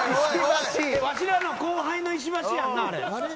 わしらの後輩の石橋やんな。